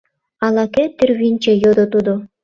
— Ала-кӧ тӱрвынчӧ? — йодо тудо.